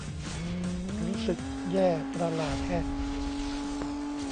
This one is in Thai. รู้สึกแย่ประหลาดแฮะ